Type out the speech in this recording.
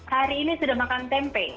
hari ini sudah makan tempe